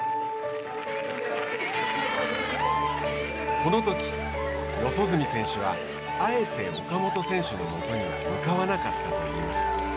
このとき、四十住選手はあえて岡本選手のもとには向かわなかったといいます。